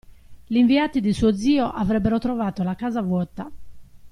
Gli inviati di suo zio avrebbero trovato la casa vuota.